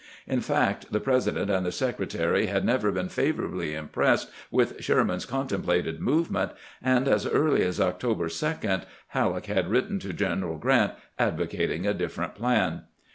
In fact, the President and the Secre tary had never been favorably impressed with Sherman's contemplated movement, and as early as October 2 Hal leck had written to General Grant advocating a different plan.